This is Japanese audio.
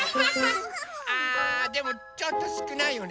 あでもちょっとすくないよね。